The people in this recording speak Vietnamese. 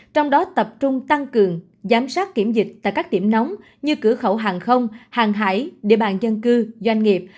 trong đó tập trung tăng cường giám sát kiểm dịch tại các điểm nóng như cửa khẩu hàng không hàng hải địa bàn dân cư doanh nghiệp